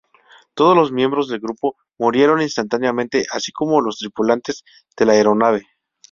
Todos los miembros del grupo murieron instantáneamente, así como los tripulantes de la aeronave.